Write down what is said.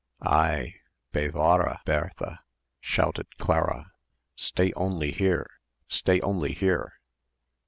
"Ei! Bewahre! Ber_tha_!" shouted Clara. "Stay only here! Stay only here!"